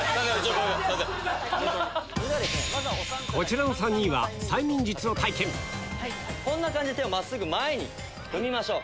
こちらの３人はこんな感じで手を真っすぐ前に組みましょう。